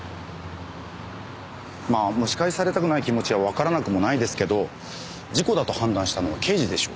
まあ蒸し返されたくない気持ちはわからなくもないですけど事故だと判断したのは刑事でしょう。